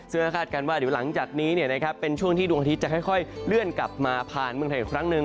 ซึ่งก็คาดการณ์ว่าเดี๋ยวหลังจากนี้เป็นช่วงที่ดวงอาทิตย์จะค่อยเลื่อนกลับมาผ่านเมืองไทยอีกครั้งหนึ่ง